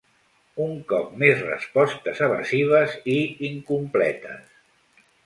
Un cop més respostes evasives i incompletes.